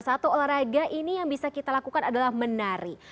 satu olahraga ini yang bisa kita lakukan adalah menari